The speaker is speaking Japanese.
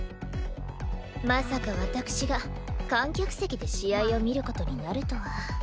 まさか私が観客席で試合を見ることになるとは。